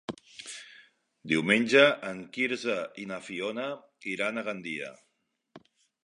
Diumenge en Quirze i na Fiona iran a Gandia.